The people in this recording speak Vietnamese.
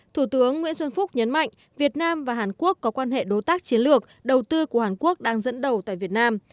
thủ tướng nguyễn xuân phúc nhấn mạnh việt nam và hàn quốc có quan hệ đối tác chiến lược đầu tư của hàn quốc đang dẫn đầu tại việt nam